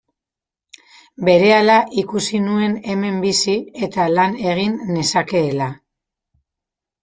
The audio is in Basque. Berehala ikusi nuen hemen bizi eta lan egin nezakeela.